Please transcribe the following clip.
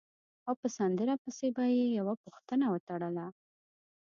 او په سندره پسې به یې یوه پوښتنه وتړله.